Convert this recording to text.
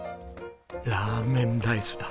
ラーメンライスだ。